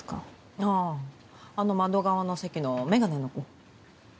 あぁあの窓側の席のメガネの子。